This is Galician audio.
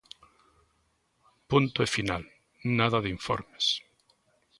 Punto e final, nada de informes.